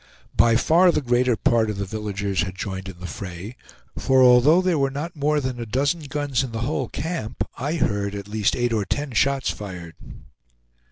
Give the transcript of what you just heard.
By far the greater part of the villagers had joined in the fray, for although there were not more than a dozen guns in the whole camp, I heard at least eight or ten shots fired.